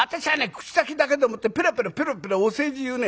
口先だけでもってペラペラペラペラお世辞言うね